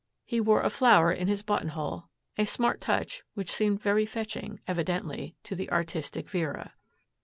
He wore a flower in his buttonhole, a smart touch which seemed very fetching, evidently, to the artistic Vera.